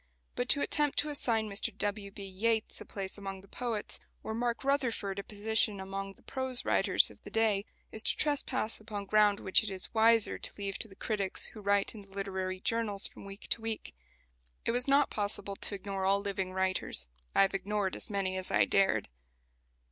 But to attempt to assign Mr W. B. Yeats a place among the poets, or "Mark Rutherford" a position among the prose writers of the day, is to trespass upon ground which it is wiser to leave to the critics who write in the literary journals from week to week. It was not possible to ignore all living writers. I have ignored as many as I dared.